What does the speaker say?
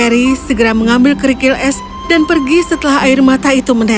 peri peri segera mengambil kerikil es dan pergi setelah air mata itu menetes